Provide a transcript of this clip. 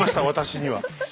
私には。